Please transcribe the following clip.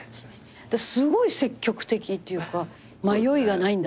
すごい積極的っていうか迷いがないんだなと思って。